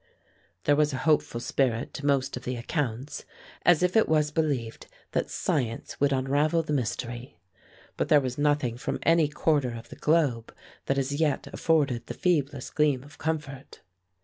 There was a hopeful spirit to most of the accounts, as if it was believed that science would unravel the mystery. But there was nothing from any quarter of the globe that as yet afforded the feeblest gleam of comfort.